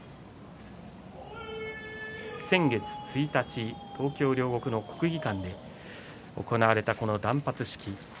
先月１日東京・両国の国技館で行われた断髪式。